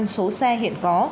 số xe hiện có